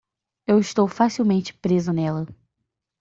Eu estou facilmente preso nela.